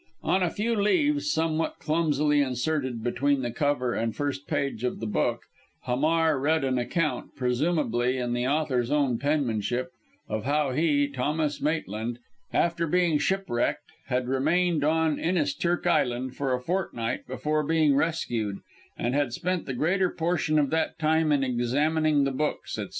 On a few leaves, somewhat clumsily inserted between the cover and first page of the book, Hamar read an account, presumably in the author's own penmanship, of how he, Thomas Maitland, after being shipwrecked, had remained on Inisturk Island for a fortnight before being rescued, and had spent the greater portion of that time in examining the books, etc.